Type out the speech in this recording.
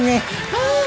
はい！